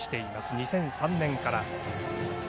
２００３年から。